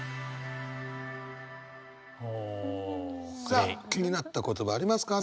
さあ気になった言葉ありますか？